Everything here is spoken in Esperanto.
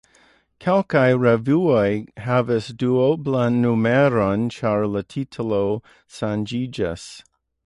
Kelkaj revuoj havas duoblan numeron, ĉar la titolo ŝanĝiĝis.